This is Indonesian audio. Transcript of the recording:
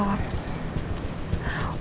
walaupun kamu deketin dia